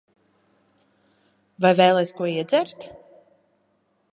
Vai vēlies ko iedzert?